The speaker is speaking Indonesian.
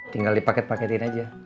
tinggal dipaket paketin aja